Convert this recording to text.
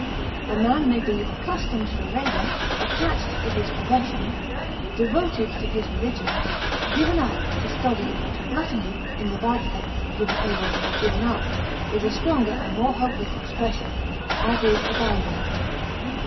A man may be accustomed to labor, attached to his profession, devoted to his religion, given to study or to gluttony (in the bad sense, given over, or given up, is a stronger and more hopeless expression, as is abandoned).